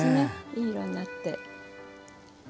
いい色になって。